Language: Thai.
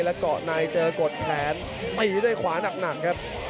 และเกาะในเจอกดแขนตีด้วยขวาหนักครับ